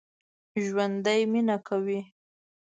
ژوندي مېنه کوي